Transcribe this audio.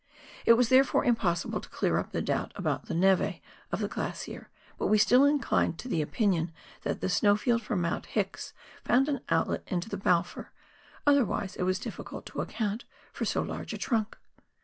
It was, there fore, impossible to clear up the doubt about the neve of the glacier, but we still inclined to the opinion, that the snow field from Mount Hicks found an outlet into the Balfour, otherwise it was difficult to account for so large a trunk.